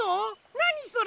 なにそれ？